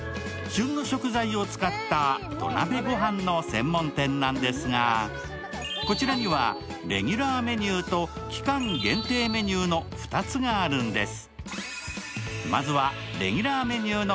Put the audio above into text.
ｋａｅｄｅｎａ．旬の食材を使った土鍋ごはんの専門店なんですが、こちらにはレギュラーメニューと期間限定メニューの２つがあるんです。